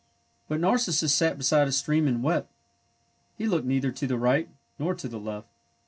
But Narcissus sat beside a stream and wept. He looked neither to the right nor to the left.